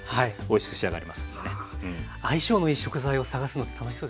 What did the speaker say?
相性のいい食材を探すのって楽しそうですね。